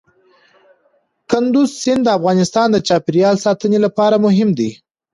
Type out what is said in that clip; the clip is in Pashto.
کندز سیند د افغانستان د چاپیریال ساتنې لپاره مهم دی.